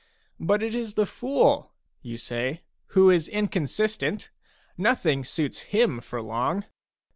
" But it is the fool/' you say, "who is inconsistent ; nothing suits him for long."